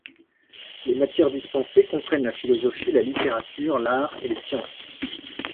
Les matières dispensées comprennent la philosophie, la littérature, l'art et les sciences.